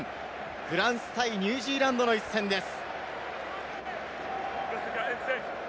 フランス対ニュージーランドの一戦です。